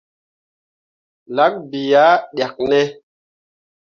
Lak bii ah ɗyakkene ?